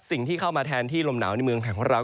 สิ่งที่เข้ามาแทนที่ลมหนาวในเมืองไทยของเรา